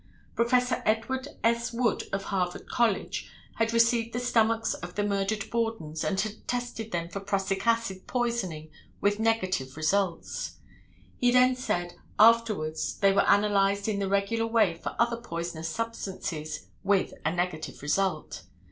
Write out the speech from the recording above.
Prof. Edward S. Wood of Harvard College, had received the stomachs of the murdered Bordens and had tested them for prussic acid poisoning with negative results. He then said "afterwards they were analyzed in the regular way for other poisonous substances, with a negative result.